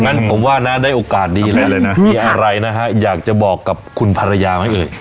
งั้นผมว่านะได้โอกาสดีแล้วเลยนะมีอะไรนะฮะอยากจะบอกกับคุณภรรยาไหมเอ่ย